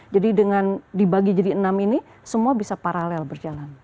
jadi dengan dibagi jadi enam ini semua bisa paralel berjalan